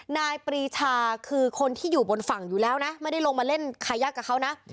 นายปรีชาคือคนที่อยู่บนฝั่งอยู่แล้วนะไม่ได้ลงมาเล่นคายักษ์กับเขานะ